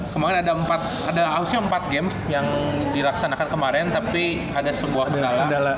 kemaren ada empat ada aus nya empat game yang dilaksanakan kemaren tapi ada sebuah kendala